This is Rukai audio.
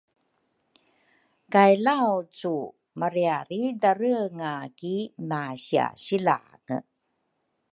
kay Laucu mariaridalenga ki masiasilange.